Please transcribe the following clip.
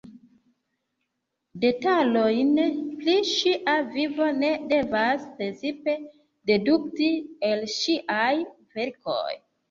Detalojn pri ŝia vivo ni devas precipe dedukti el ŝiaj verkoj.